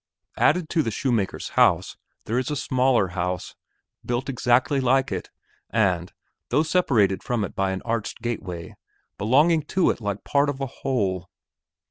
Added to the shoemaker's house there is a smaller house, built exactly like it and, though separated from it by an arched gateway, belonging to it like part of a whole.